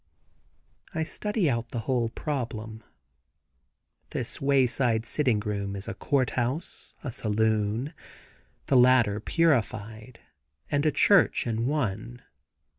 I study out the whole problem. This wayside sitting room is a courthouse, a saloon—the latter purified—and a church in one.